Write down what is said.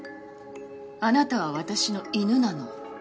あなたは私の犬なの。